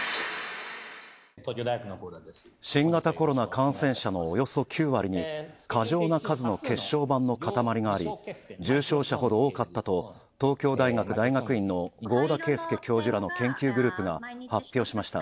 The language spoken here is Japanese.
新型コロナ感染者のおよそ９割に過剰な数の血小板の塊があり、重症者ほど多かったと東京大大学院の合田圭介教授らの研究グループが発表しました。